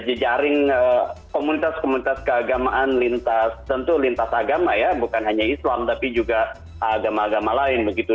jejaring komunitas komunitas keagamaan lintas tentu lintas agama ya bukan hanya islam tapi juga agama agama lain begitu